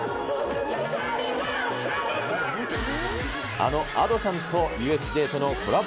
あのＡｄｏさんとＵＳＪとのコラボ